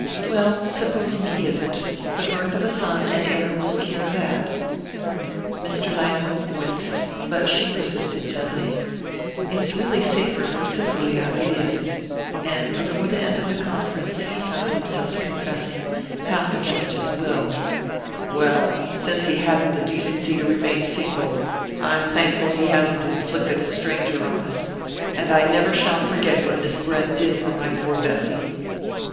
"Well supposing he isn't: the birth of a son and heir will cure that." Mr. Langhope winced, but she persisted gently: "It's really safer for Cicely as it is " and before the end of the conference he found himself confessing, half against his will: "Well, since he hadn't the decency to remain single, I'm thankful he hasn't inflicted a stranger on us; and I shall never forget what Miss Brent did for my poor Bessy...."